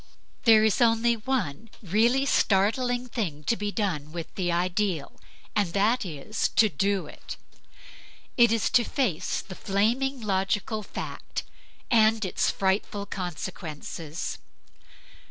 There is only one really startling thing to be done with the ideal, and that is to do it. It is to face the flaming logical fact, and its frightful consequences.